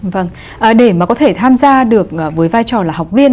vâng để mà có thể tham gia được với vai trò là học viên